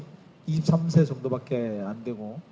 saya ingin memberi pengetahuan kepada para pemain timnas indonesia